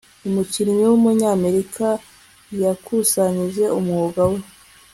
umukinnyi wumunyamerika yakusanyije umwuga we